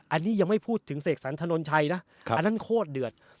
อันนี้ยังไม่พูดถึงเสกสรรถนนชัยนะอันนั้นโคตรเดือด